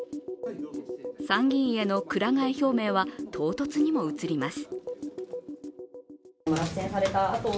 参議院へのくら替え表明は唐突にも映ります。